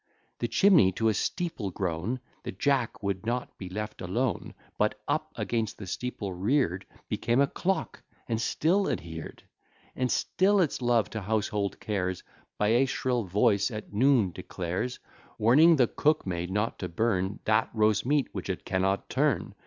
The chimney to a steeple grown, The jack would not be left alone; But, up against the steeple rear'd, Became a clock, and still adher'd; And still its love to household cares, By a shrill voice at noon declares, Warning the cookmaid not to burn That roast meat, which it cannot turn.